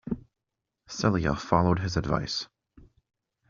Celia followed his advice.